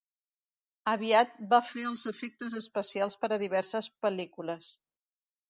Aviat va fer els efectes especials per a diverses pel·lícules.